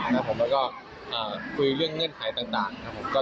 แล้วก็คุยเรื่องเงื่อนไขต่างครับผม